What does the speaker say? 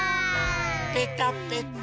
ぺたぺた。